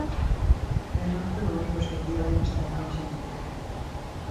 Pero non foi o único esquecido da investigación xenética.